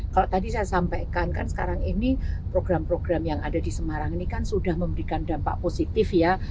kalau tadi saya sampaikan kan sekarang ini program program yang ada di semarang ini kan sudah memberikan dampak positif ya